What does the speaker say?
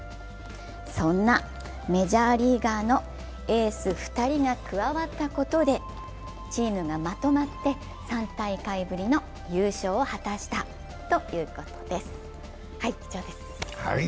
そんなメジャーリーガーのエース２人が加わったことでチームがまとまって３大会ぶりの優勝を果たしたということです。